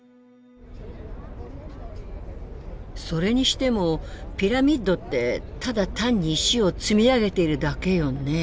それにしてもピラミッドってただ単に石を積み上げているだけよね？